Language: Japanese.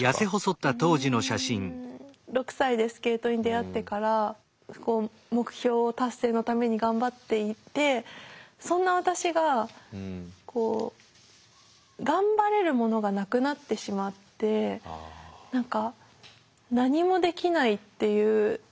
うん６歳でスケートに出会ってから目標を達成のために頑張っていてそんな私が頑張れるものがなくなってしまって何か何もできないっていう